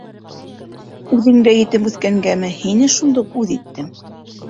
Үҙең дә етем үҫкәнгәме, һине шундуҡ үҙ иттем.